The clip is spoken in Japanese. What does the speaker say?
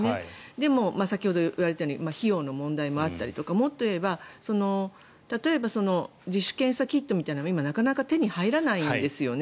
でも、先ほど言われたように費用の問題もあったりとかもっといえば例えば自主検査キットみたいなのも今、なかなか手に入らないんですよね。